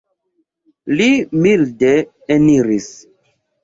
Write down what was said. Li milde eniris.